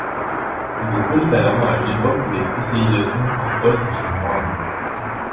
Il est polyvalent à une époque où les spécialisations par poste sont moindres.